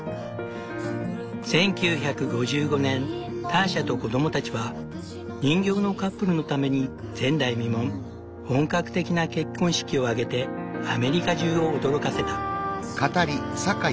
１９５５年ターシャと子供たちは人形のカップルのために前代未聞本格的な結婚式を挙げてアメリカ中を驚かせた。